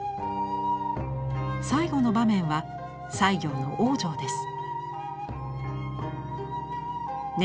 最後の場面は西行の往生です。